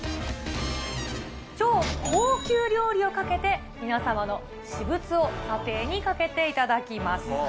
超高級料理をかけて、皆様の私物を査定にかけていただきます。